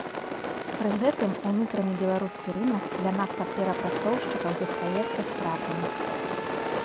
Пры гэтым унутраны беларускі рынак для нафтаперапрацоўшчыкаў застаецца стратным.